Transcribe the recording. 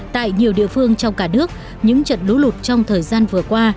tại nhiều địa phương trong cả nước những trận lũ lụt trong thời gian vừa qua